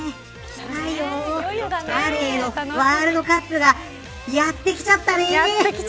ワールドカップがやってきちゃったね。